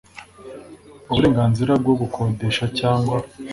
uburenganzira bwo gukodesha cyangwa